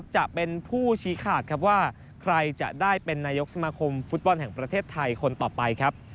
จะเป็นผู้ชี้ขาดครับว่าใครจะได้เป็นนายกสมาคมฟุตบอลแห่งประเทศไทยคนต่อไปครับ